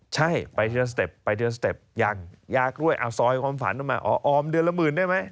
ใช่ไปทีละสเต็ปไปเดือนสเต็ปยังยากด้วยเอาซอยความฝันมาอ๋อออมเดือนละหมื่นได้ไหม